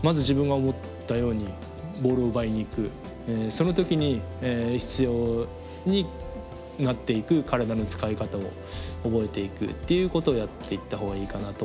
その時に必要になっていく体の使い方を覚えていくっていうことをやっていったほうがいいかなと思います。